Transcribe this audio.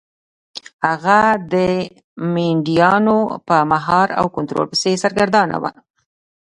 هغه د مینډیانو په مهار او کنټرول پسې سرګردانه و.